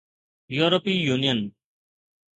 يورپي يونين